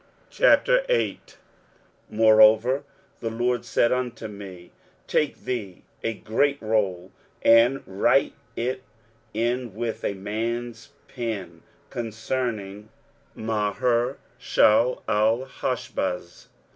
23:008:001 Moreover the LORD said unto me, Take thee a great roll, and write in it with a man's pen concerning Mahershalalhashbaz.